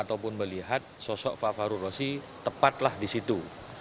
ataupun melihat sosok fahrul razi tepatlah di situ